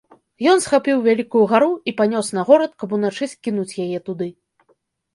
Ён схапіў вялікую гару і панёс на горад, каб уначы скінуць яе туды.